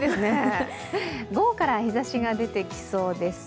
午後から日ざしが出てきそうです。